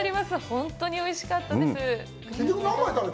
本当においしかったです。